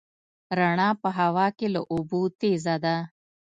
رڼا په هوا کې له اوبو تېزه ده.